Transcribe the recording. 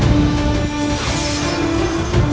gimana untuk h regelmu